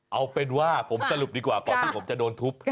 เอาเป็นว่าผมสรุปดีกว่าก่อนที่ผมจะโดนทุบ